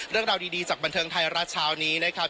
เรื่องราวดีจากบันเทิงไทยรัฐเช้านี้นะครับ